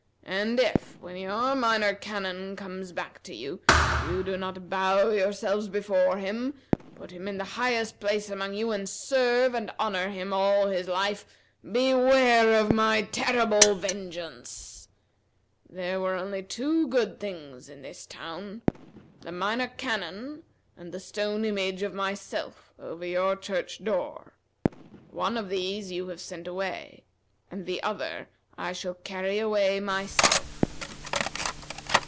And if, when your Minor Canon comes back to you, you do not bow yourselves before him, put him in the highest place among you, and serve and honor him all his life, beware of my terrible vengeance! There were only two good things in this town: the Minor Canon and the stone image of myself over your church door. One of these you have sent away, and the other I shall carry away myself."